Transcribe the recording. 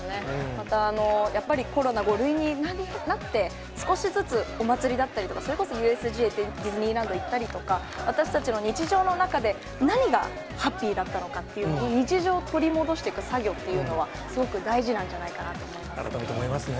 また、やっぱりコロナ５類になって、少しずつお祭りだったりとか、それこそＵＳＪとかディズニーランド行ったりとか、私たちの日常の中で何かハッピーだったのかっていう、日常を取り戻していく作業っていうのは、すごく大事なんじゃない改めて思いますね。